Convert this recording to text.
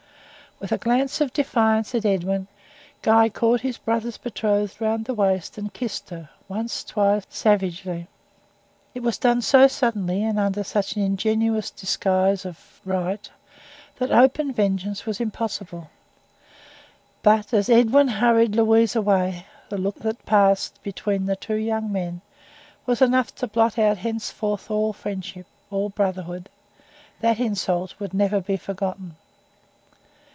With a glance of defiance at Edwin, Guy caught his brother's betrothed round the waist and kissed her once twice savagely. It was done so suddenly and under such an ingenious disguise of "right," that open vengeance was impossible. But as Edwin hurried Louise away, the look that passed between the two young men was enough to blot out henceforward all friendship, all brotherhood. That insult would never be forgotten.